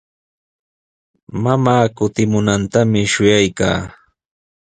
Mamaa kutimunantami shuyaykaa.